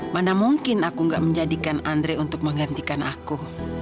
mana mungkin aku gak menjadikan andre untuk menggantikan aku